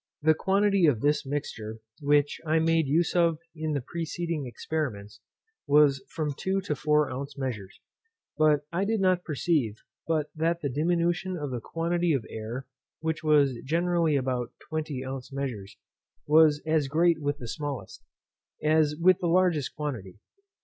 The quantity of this mixture which I made use of in the preceding experiments, was from two to four ounce measures; but I did not perceive, but that the diminution of the quantity of air (which was generally about twenty ounce measures) was as great with the smallest, as with the largest quantity.